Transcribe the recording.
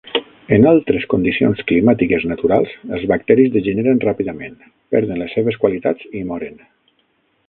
En altres condicions climàtiques naturals, els bacteris degeneren ràpidament, perden les seves qualitats i moren.